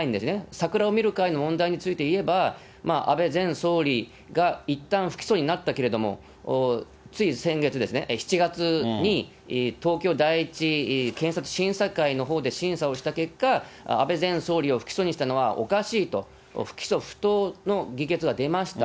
桜を見る会の問題について言えば、安倍前総理がいったん、不起訴になったけれども、つい先月ですね、７月に東京第１検察審査会のほうで審査をした結果、安倍前総理を不起訴にしたのはおかしいと、不起訴不当の議決が出ました。